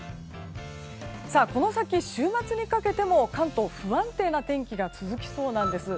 この先、週末にかけても関東、不安定な天気が続きそうなんです。